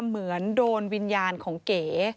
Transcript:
เหมือนโดนวิญญาณของเก๋